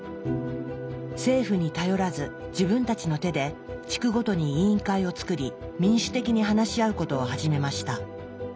政府に頼らず自分たちの手で地区ごとに委員会を作り民主的に話し合うことを始めました。